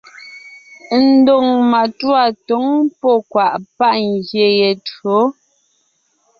Ndóŋ matûa tǒŋ pɔ́ kwàʼ páʼ ngyè ye tÿǒ.